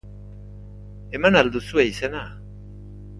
Eman al duzue izena?